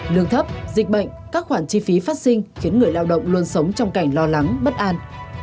lương thấp dịch bệnh các khoản chi phí phát sinh khiến người lao động luôn sống trong cảnh lo lắng bất an